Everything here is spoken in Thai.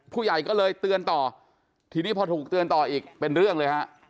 ผู้ใหญ่ก็เลยเตือนต่อทีนี้พอถูกเตือนต่ออีกเป็นเรื่องเลยฮะ